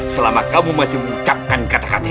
selama kamu masih mengucapkan kata kata itu